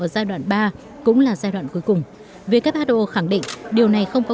ở giai đoạn ba cũng là giai đoạn cuối cùng who khẳng định điều này không có